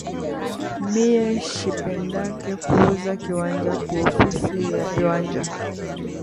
Miye shipendake kuuza kiwanja ku ofisi ya viwanja